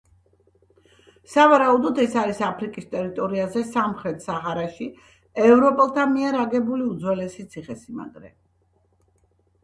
სავარაუდოდ, ეს არის აფრიკის ტერიტორიაზე, სამხრეთ საჰარაში ევროპელთა მიერ აგებული უძველესი ციხესიმაგრე.